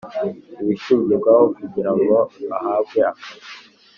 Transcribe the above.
Ibishingirwaho kugira ngo ahabwe akazi